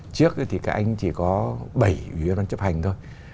trước thì các anh chỉ có bảy ủy viên ban chấp hành thôi